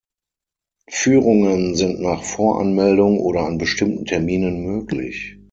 Führungen sind nach Voranmeldung oder an bestimmten Terminen möglich.